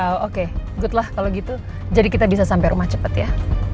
wow oke good lah kalau gitu jadi kita bisa sampai rumah cepat ya